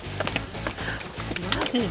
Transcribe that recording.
マジで？